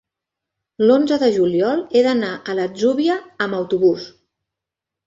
L'onze de juliol he d'anar a l'Atzúbia amb autobús.